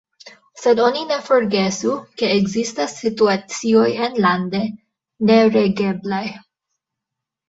Sed oni ne forgesu, ke ekzistas situacioj enlande neregeblaj.